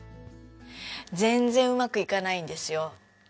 全然うまくいかないんですよ。